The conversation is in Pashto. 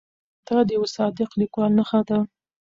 دا د یوه صادق لیکوال نښه ده.